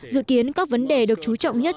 dự kiến các vấn đề được chú trọng nhất